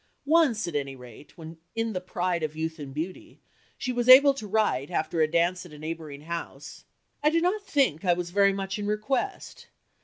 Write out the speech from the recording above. Once at any rate, when "in the pride of youth and beauty," she was able to write, after a dance at a neighbouring house "I do not think I was very much in request.